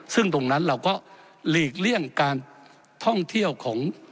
ซึ่งตรงนั้นเราก็หลีกเลี่ยงการท่องเที่ยวของ